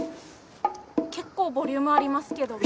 結構ボリュームありますけども。